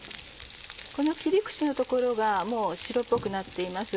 この切り口の所がもう白っぽくなっています。